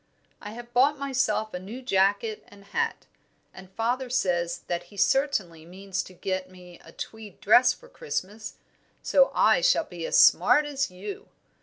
I have bought myself a new jacket and hat, and father says that he certainly means to get me a tweed dress for Christmas, so I shall be as smart as you.